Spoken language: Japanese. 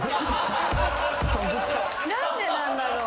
何でなんだろう？